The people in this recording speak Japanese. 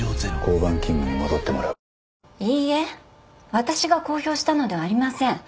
私が公表したのではありません。